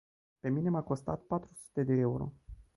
Pe mine m-a costat patru sute de euro.